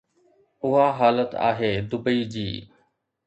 اها حالت آهي دبئي جي.